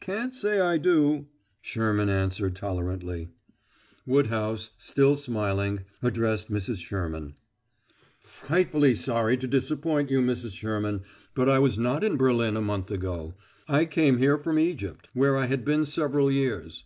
"Can't say I do," Sherman answered tolerantly. Woodhouse, still smiling, addressed Mrs. Sherman: "Frightfully sorry to disappoint you, Mrs. Sherman, but I was not in Berlin a month ago. I came here from Egypt, where I had been several years."